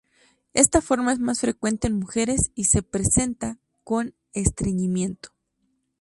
Esta forma es más frecuente en mujeres y se presenta con estreñimiento.